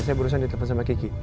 saya berusaha ditelepon sama kiki